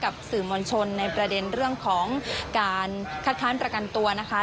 กับสื่อมวลชนในประเด็นเรื่องของการคัดค้านประกันตัวนะคะ